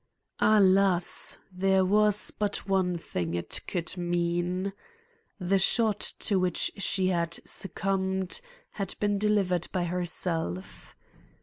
Alas! there was but one thing it could mean. The shot to which she had succumbed had been delivered by herself.